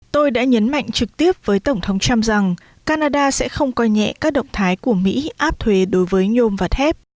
tôi đã nhấn mạnh trực tiếp với tổng thống trump rằng canada sẽ không coi nhẹ các động thái của mỹ áp thuế donald trump